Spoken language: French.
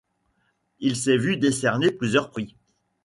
Il s'est vu décerner plusieurs prix.